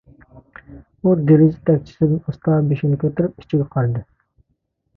ئۇ دېرىزە تەكچىسىدىن ئاستا بېشىنى كۆتۈرۈپ ئىچىگە قارىدى.